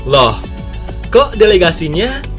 loh kok delegasinya